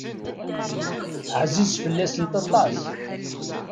Ɛziz fell-asent aṭas.